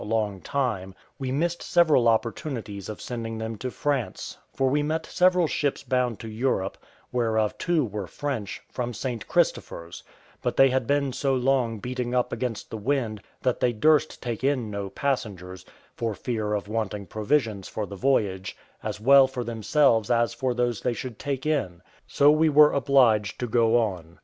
a long time, we missed several opportunities of sending them to France; for we met several ships bound to Europe, whereof two were French, from St. Christopher's, but they had been so long beating up against the wind that they durst take in no passengers, for fear of wanting provisions for the voyage, as well for themselves as for those they should take in; so we were obliged to go on.